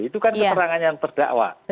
itu kan keterangan yang terdakwa